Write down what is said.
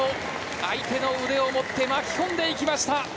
相手の腕を持って巻き込んでいきました。